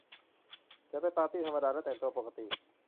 ฉันไปปาร์ตี้ธรรมดา และแต่งตัวปกติ